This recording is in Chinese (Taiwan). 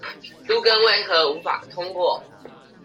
都更為何無法通過